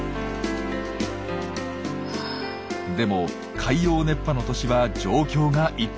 でも海洋熱波の年は状況が一変。